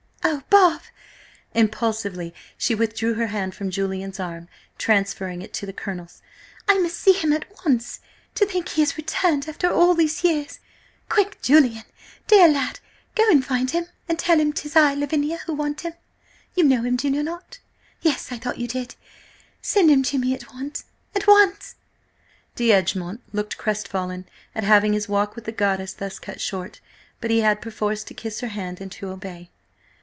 "Oh, Bob!" Impulsively she withdrew her hand from Julian's arm, transferring it to the Colonel's. "I must see him at once! To think he is returned after all these years! Quick, Julian, dear lad–go and find him–and tell him 'tis I, Lavinia, who want him! You know him, do you not? Yes–I thought you did. Send him to me at once!–at once!" D'Egmont looked very crestfallen at having his walk with the goddess thus cut short, but he had perforce to kiss her hand and to obey.